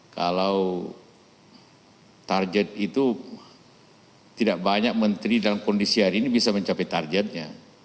kalau target itu tidak banyak menteri dalam kondisi hari ini bisa mencapai targetnya